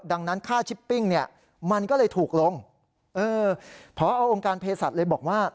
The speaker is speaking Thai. ดังนั้นค่าชิปปิ้งเนี่ยมันก็เลยถูกลงเออพอองค์การเพศสัตว์เลยบอกว่า